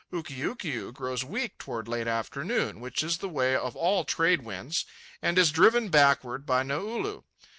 Ukiukiu grows weak toward late afternoon, which is the way of all trade winds, and is driven backward by Naulu.